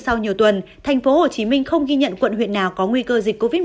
sau nhiều tuần tp hcm không ghi nhận quận huyện nào có nguy cơ dịch covid một mươi